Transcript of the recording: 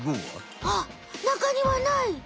あっなかにはない！